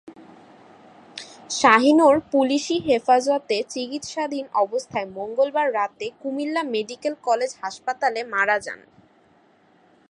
শাহীনূর পুলিশি হেফাজতে চিকিৎসাধীন অবস্থায় মঙ্গলবার রাতে কুমিল্লা মেডিকেল কলেজ হাসপাতালে মারা যান।